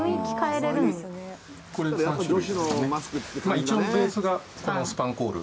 一応ベースがこのスパンコール。